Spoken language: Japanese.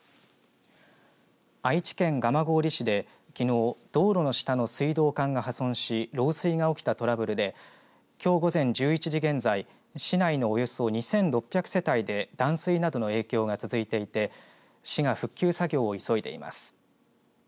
愛知県蒲郡市できのう道路の下の水道管が破損し漏水が起きたトラブルできょう午前１１時現在市内のおよそ２６００世帯で断水などの影響が続いていて市が復旧作業を急いでいます。